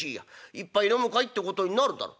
『一杯飲むかい？』ってことになるだろう。